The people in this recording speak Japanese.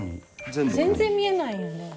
全然見えないよね。